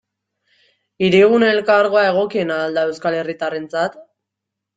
Hirigune Elkargoa egokiena al da euskal herritarrentzat?